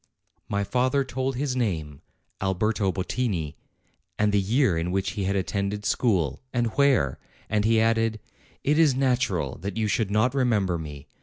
My father told his name, Alberto Bottini, and the year in which he had attended school, and where, and he added : "It is natural that you should not remember me.